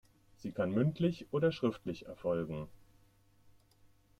Sie kann mündlich oder schriftlich erfolgen.